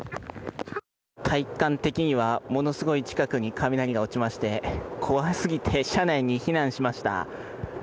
体感的には、ものすごい近くに雷が落ちまして、怖すぎて車内に避難しました。